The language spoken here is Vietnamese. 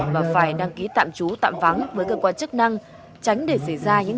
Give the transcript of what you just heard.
và phải đăng ký tạm trú tạm vắng với cơ quan chức năng tránh để xảy ra những hậu quả đáng tiếc như trên